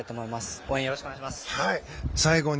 応援よろしくお願いします。